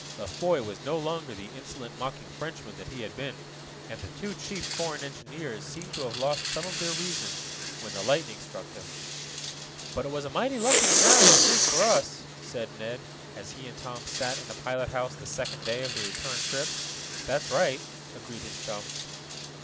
La Foy was no longer the insolent, mocking Frenchman that he had been, and the two chief foreign engineers seemed to have lost some of their reason when the lightning struck them. "But it was a mighty lucky and narrow escape for us," said Ned, as he and Tom sat in the pilot house the second day of the return trip. "That's right," agreed his chum.